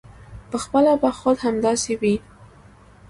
پخپله به خود همداسې وي.